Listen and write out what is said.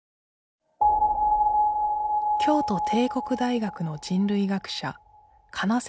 京都帝国大学の人類学者金関